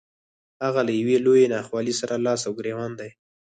هغه له يوې لويې ناخوالې سره لاس او ګرېوان دی.